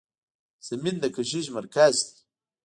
زمین د کشش مرکز دی.